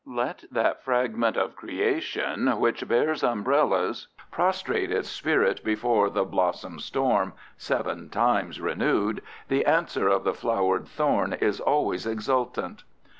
Let that fragment of creation which bears umbrellas prostrate its spirit before the "blossom storm," seven times renewed—the answer of the flowered thorn is always exultant.